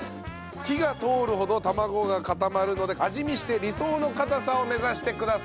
火が通るほど卵が固まるので味見して理想の硬さを目指してください。